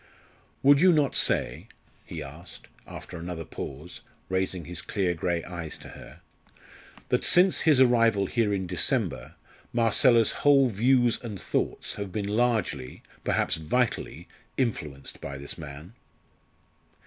"Would you not say," he asked, after another pause, raising his clear grey eyes to her, "that since his arrival here in December Marcella's whole views and thoughts have been largely perhaps vitally influenced by this man?"